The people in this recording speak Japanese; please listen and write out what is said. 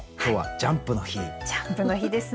ジャンプの日ですね。